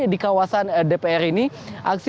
di kawasan dpr ini aksi